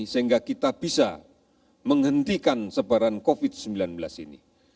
sehingga kita bisa menghentikan sebaran covid sembilan belas ini